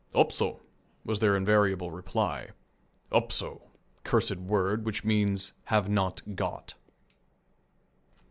"Upso," was their invariable reply. "Upso," cursed word, which means "Have not got."